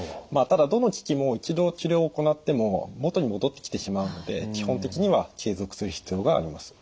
ただどの機器も一度治療を行っても元に戻ってきてしまうので基本的には継続する必要があります。